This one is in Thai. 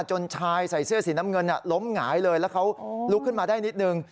จนชายใส่เสื้อสีน้ำเงินล้มหงายเลยแล้วเขาลุกขึ้นมาได้นิดนึง